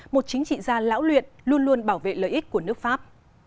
một chính trị gia lão luyện luôn luôn bảo vệ lợi ích của nước pháp